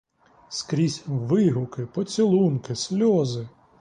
Скрізь — вигуки, поцілунки, сльози.